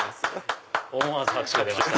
思わず拍手が出ました。